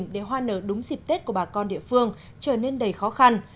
để hoa nở đúng dịp tết của bà con địa phương trở nên đầy khó khăn